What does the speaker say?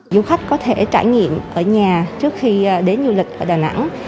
du khách có thể trải nghiệm ở nhà trước khi đến du lịch ở đà nẵng